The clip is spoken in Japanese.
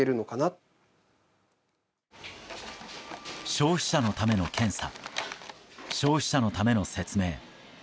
消費者のための検査消費者のための説明。